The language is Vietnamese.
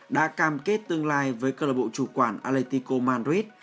đã cam kết tương lai với cơ lợi bộ chủ quản atletico madrid